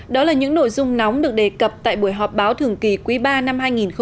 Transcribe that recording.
đó là những nội dung nóng được đề cập tại buổi họp báo thường kỳ quý ba năm hai nghìn một mươi chín